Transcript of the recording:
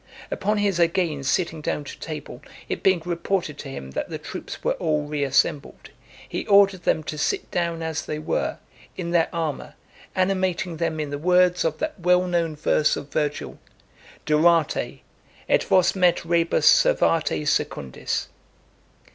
Upon his again sitting down to table, it being reported to him that the troops were all reassembled, he ordered them to sit down as they were, in their armour, animating them in the words of that well known verse of Virgil: (283) Durate, et vosmet rebus servate secundis.